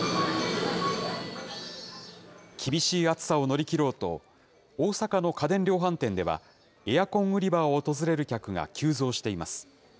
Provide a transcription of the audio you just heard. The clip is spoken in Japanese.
厳しい暑さを乗り切ろうと、大阪の家電量販店では、エアコン売り場を訪れる客が急増しています。